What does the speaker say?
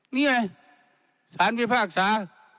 นี่ไงสารพิพากษา